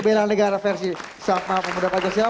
bela negara versi sama pemuda pancasila